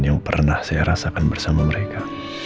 yang pernah saya rasakan bersama mereka